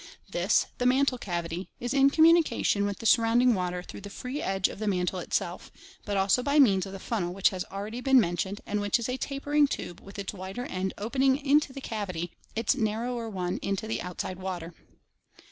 This, the mantle cavity, is in communication with the surrounding water through the free edge of the mantle itself; but also by means of the funnel which has already been mentioned and which is a tapering tube with its wider end open ing into the cavity, its narrower one into the outside water.